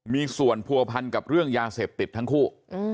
มีส่วนผัวพันกับเรื่องยาเสพติดทั้งคู่